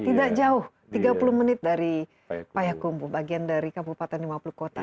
tidak jauh tiga puluh menit dari payakumbu bagian dari kabupaten lima puluh kota